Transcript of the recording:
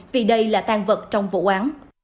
vì đây là tan vật trong vụ án